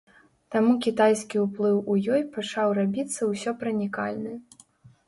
Таму кітайскі ўплыў у ёй пачаў рабіцца ўсёпранікальны.